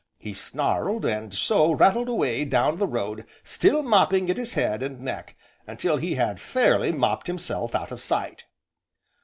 he snarled and so, rattled away down the road still mopping at his head and neck until he had fairly mopped himself out of sight.